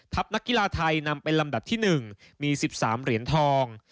นักกีฬาไทยนำเป็นลำดับที่๑มี๑๓เหรียญทอง